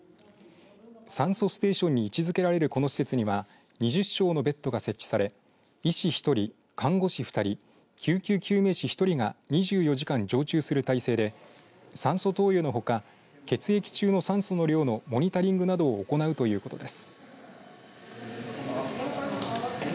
酸素ステーションに位置づけられるこの施設には２０床のベッドが設置され医師１人、看護師２人救急救命士１人が２４時間常駐する体制で酸素投与のほか血液中の酸素の量のモニタリングなどを行うということです。